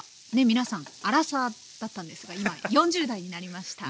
皆さんアラサーだったんですが今や４０代になりました。